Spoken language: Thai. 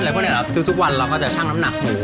แล้วก็นี่แหละทุกวันเราก็จะช่างน้ำหนักหมู